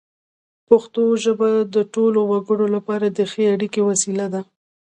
پښتو ژبه د ټولو وګړو لپاره د ښې اړیکې وسیله ده.